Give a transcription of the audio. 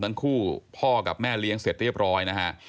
ทั้งคู่พ่อกับแม่เลี้ยงเสร็จเรียบร้อยนะฮะ